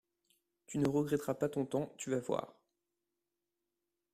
Tu ne regretteras pas ton temps ; tu vas voir.